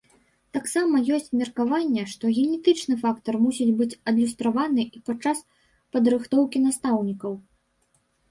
Таксама ёсць меркаванне, што генетычны фактар мусіць быць адлюстраваны і падчас падрыхтоўкі настаўнікаў.